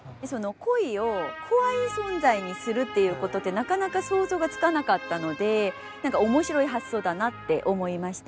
鯉を怖い存在にするっていうことってなかなか想像がつかなかったので面白い発想だなって思いました。